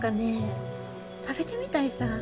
食べてみたいさ。